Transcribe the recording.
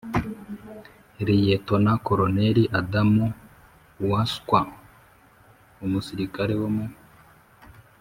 liyetona koloneli adam waswa: umusirikari wo mu